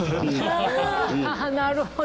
なるほど。